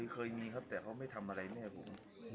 เคยมีครับแต่เขาไม่ทำอะไรแม่ผม